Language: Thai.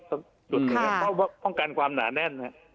เพราะป้องกันความหนาแน่น